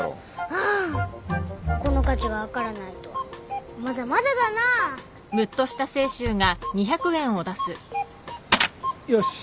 ああこの価値が分からないとはまだまだだなぁ。よし！